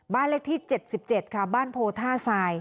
บ้านเลขที่๗๗บ้านโพธ่าท่าทราย